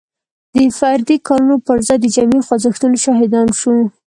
د فردي کارونو پر ځای د جمعي خوځښتونو شاهدان شو.